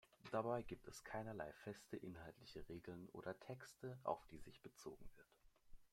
Dabei gibt es keinerlei feste inhaltliche Regeln oder Texte, auf die sich bezogen wird.